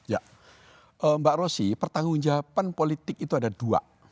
ya mbak rosy pertanggung jawaban politik itu ada dua